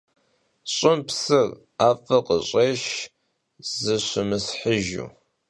Ş'ım psır, 'ef'ır khış'êşş zışımıshıjju.